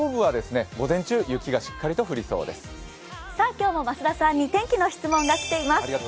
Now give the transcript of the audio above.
今日も増田さんに天気の質問が来ています。